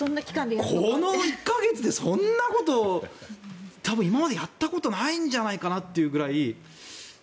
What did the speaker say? この１か月でそんなこと多分今までやったことないんじゃないかってくらい。